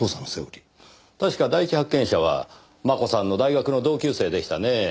確か第一発見者は真子さんの大学の同級生でしたねぇ。